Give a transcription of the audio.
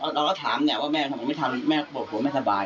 เราก็ถามแนวว่าแม่ทำไมไม่ทำแม่ก็บอกว่าแม่สบาย